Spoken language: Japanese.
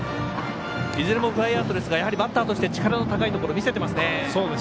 いずれもフライアウトですがやはりバッターとして力の高いところ、見せていますね。